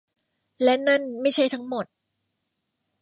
และนั่นไม่ใช่ทั้งหมด